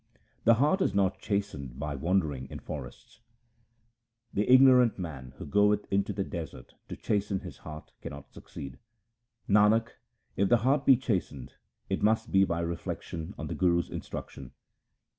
The heart is not chastened by wandering in forests :— The ignorant man who goeth into the desert to chasten his heart cannot succeed. Nanak, if the heart be chastened, it must be by reflection on the Guru's instruction.